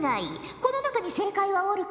この中に正解はおるか？